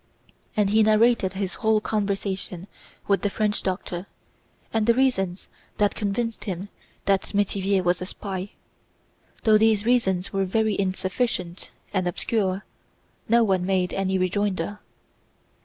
And he narrated his whole conversation with the French doctor and the reasons that convinced him that Métivier was a spy. Though these reasons were very insufficient and obscure, no one made any rejoinder.